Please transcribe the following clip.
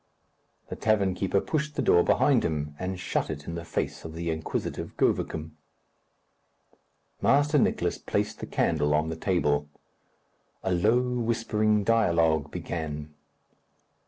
The tavern keeper pushed the door behind him, and shut it in the face of the inquisitive Govicum. Master Nicless placed the candle on the table. A low whispering dialogue began.